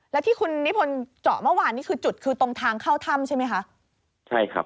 แล้วที่คุณนิพนธ์เจาะเมื่อวานจุดคือตรงทางเข้าถ้ำใช่ไหมคะ